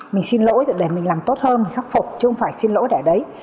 mình xin lỗi là để mình làm tốt hơn khắc phục chứ không phải xin lỗi để đấy